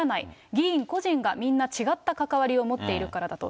議員個人がみんな違った関わりを持っているからだと。